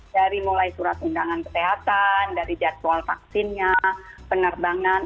dari mulai surat undangan kesehatan dari jadwal vaksinnya penerbangan